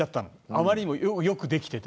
あまりにも良くできていて。